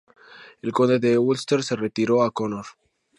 El Conde de Ulster se retiró a Connor.